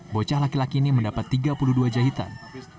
bocah laki laki ini mendapat tiga puluh dua jahitan